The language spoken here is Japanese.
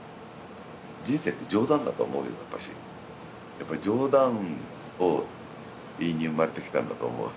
やっぱり冗談を言いに生まれてきたんだと思う。